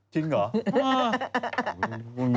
จริงเหรออื้อ